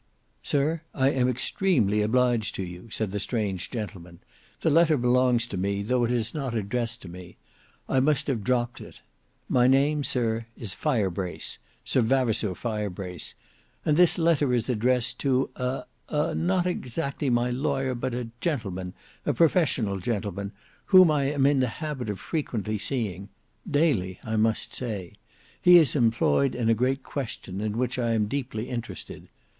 "Sir, I am extremely obliged to you," said the strange gentleman; "the letter belongs to me, though it is not addressed to me. I must have this moment dropped it. My name, Sir, is Firebrace—Sir Vavasour Firebrace, and this letter is addressed to a—a—not exactly my lawyer, but a gentleman—a professional gentleman—whom I am in the habit of frequently seeing; daily, I may say. He is employed in a great question in which I am deeply interested.